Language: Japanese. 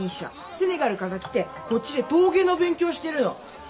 セネガルから来てこっちで陶芸の勉強してるの。